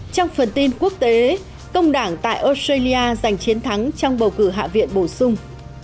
trong phần tin quốc tế công đảng tại australia giành chiến thắng trong bầu cử hạ viện bổ sung